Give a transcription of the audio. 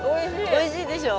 おいしいでしょ？